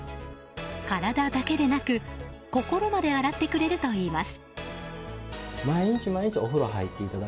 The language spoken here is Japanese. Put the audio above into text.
体だけでなく心まで洗ってくれるといいます。